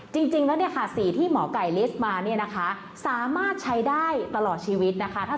จริงแล้วสีที่เมาะไก่ลิสต์มาสามารถใช้ได้ตลอดชีวิตนะคะ